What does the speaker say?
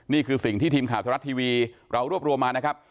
นี่คือสิ่งที่ทีมข่าวธรรมรัฐทีวีเรารวบรวมมานะครับ